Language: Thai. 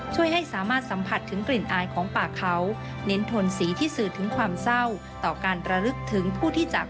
ช่วยให้สามารถสัมผัสถึงกลิ่นอายของป่าเขาเน้นทนสีที่สื่อถึงความเศร้าต่อการระลึกถึงผู้ที่จาก